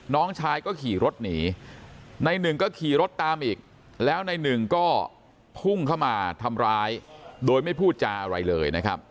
น้องชายก็ขี่รถหนีในหนึ่งก็ขี่รถตามอีกแล้วในหนึ่งก็พุ่งเข้ามาทำร้ายโดยไม่พูดจาอะไรเลยนะครับ